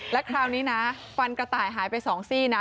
แล้วคราวนี้นะฟันกระต่ายหายไป๒ซี่นะ